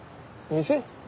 店？